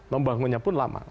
membangunnya pun lama